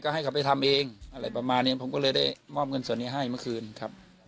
ให้เขาไปทำเองอะไรประมาณเนี้ยผมก็เลยได้มอบเงินส่วนนี้ให้เมื่อคืนครับ